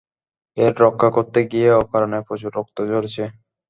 এর রক্ষা করতে গিয়ে অকারণে প্রচুর রক্ত ঝরেছে।